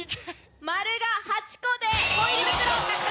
「○」が８個で。